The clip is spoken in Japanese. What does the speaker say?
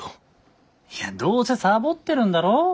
どうせサボってるんだろ？